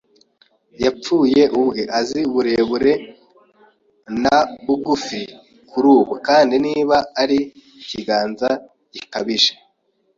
yapfuye ubwe; azi uburebure na bugufi kuri ubu; kandi niba ari ikiganza gikabije